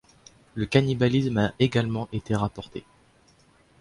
Le cannibalisme a également été rapportée.